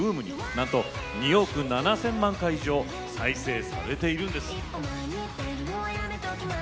なんと、２億７０００万回以上再生されているんです。